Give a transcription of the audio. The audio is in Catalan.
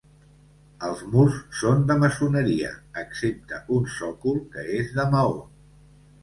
Els murs són de maçoneria excepte un sòcol que és de maó.